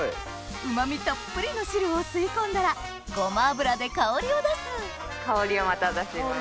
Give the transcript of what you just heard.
うま味たっぷりの汁を吸い込んだらゴマ油で香りを出す香りをまた出します。